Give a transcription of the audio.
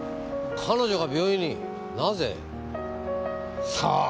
彼女が病院になぜ？さぁ？